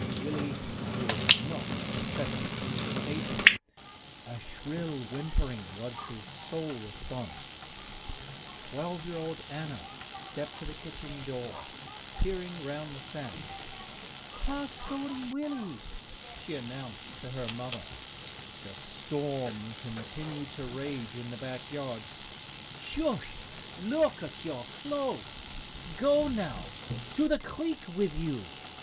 Willie did not accept the invitation. A shrill whimpering was his sole response. Twelve year old Anna stepped to the kitchen door, peering round the sash. "Pa's scolding Willie," she announced to her mother. The storm continued to rage in the back yard. "Shust look at your clothes! Go now! To the creek wit' you!